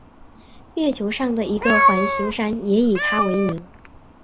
月球上的一个环形山也以他为名。